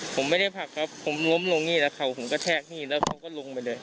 ผมไม่ได้ผลักครับผมล้มลงนี่แหละเข่าผมกระแทกนี่แล้วเขาก็ลงไปเลย